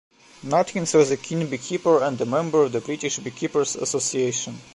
Nutkins was a keen beekeeper and a member of the British Beekeepers' Association.